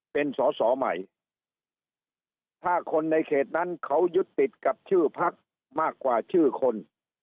เป็นสอสอใหม่ถ้าคนในเขตนั้นเขายึดติดกับชื่อพักมากกว่าชื่อคน